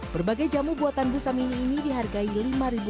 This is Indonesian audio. berbagai jamu buatan bu samini ini dihargai lho